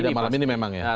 tidak malam ini memang ya